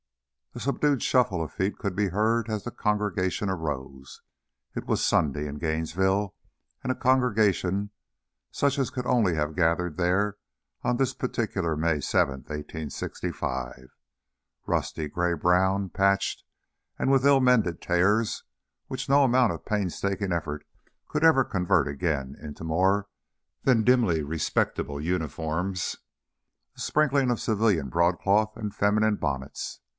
A subdued shuffle of feet could be heard as the congregation arose. It was Sunday in Gainesville, and a congregation such as could only have gathered there on this particular May 7, 1865. Rusty gray brown, patched, and with ill mended tears, which no amount of painstaking effort could ever convert again into more than dimly respectable uniforms, a sprinkling of civilian broadcloth and feminine bonnets.